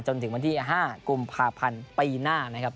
จนถึงวันที่๕กุมภาพันธ์ปีหน้านะครับ